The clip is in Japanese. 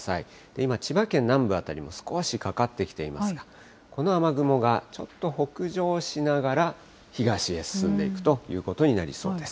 今、千葉県南部辺りも少しかかってきていますが、この雨雲が、ちょっと北上しながら東へ進んでいくということになりそうです。